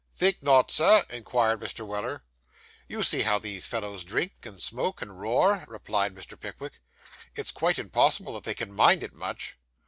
'Think not, sir?' inquired Mr. Weller. 'You see how these fellows drink, and smoke, and roar,' replied Mr. Pickwick. 'It's quite impossible that they can mind it much.